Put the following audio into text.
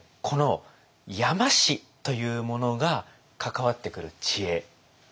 この山師というものが関わってくる知恵なんですね。